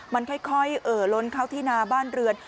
มันค่อยเอ่อล้นเข้าที่นาบ้านเรือน